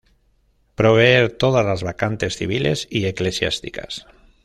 Proveer todas las vacantes civiles y eclesiásticas.